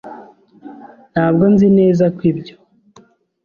Ntabwo nzi neza ko ibyo.